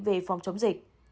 về phòng chống dịch